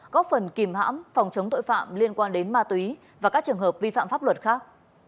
góp phần kìm hãm phòng chống tội phạm liên quan đến ma túy và các trường hợp vi phạm pháp luật khác